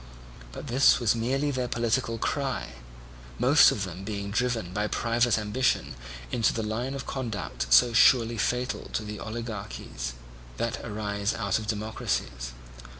But this was merely their political cry; most of them being driven by private ambition into the line of conduct so surely fatal to oligarchies that arise out of democracies.